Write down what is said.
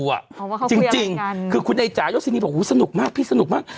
เขาพูดอย่างเหมือนกันจริงคือคุณไอจ๋ายกที่นี้บอกอู๋สนุกมากพี่สนุกมาก